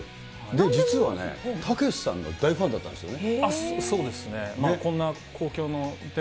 実はね、たけしさんの大ファンだったんですよね？